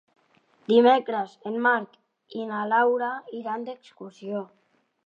Dimecres en Marc i na Laura iran d'excursió.